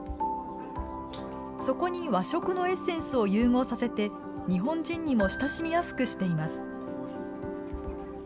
そこに和食のエッセンスを融合させて、日本人にも親しみやすくしています。